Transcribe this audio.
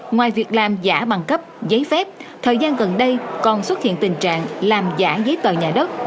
ngoài việc làm giả bằng cấp giấy phép thời gian gần đây còn xuất hiện tình trạng làm giả giấy tờ nhà đất